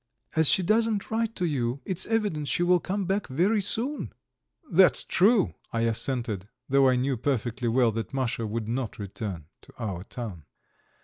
"As she doesn't write to you, it's evident she will come back very soon." "That's true," I assented, though I knew perfectly well that Masha would not return to our town.